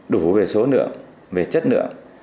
đủ về số lượng về chất lượng